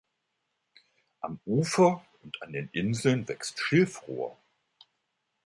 Am Ufer und an den Inseln wächst Schilfrohr.